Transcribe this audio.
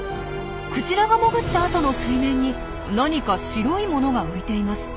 クジラが潜った後の水面に何か白いものが浮いています。